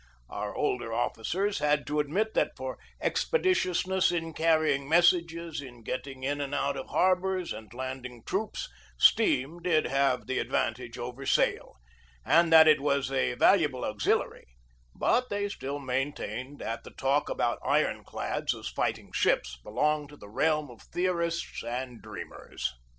Our older officers had to admit that for expeditiousness in carrying mes sages, in getting in and out of harbors and landing troops, steam did have the advantage over sail, and that it was a valuable auxiliary, but they still main tained that the talk about iron clads as fighting ships belonged to the realm of theorists and dreamers.